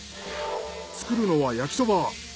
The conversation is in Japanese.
作るのは焼きそば。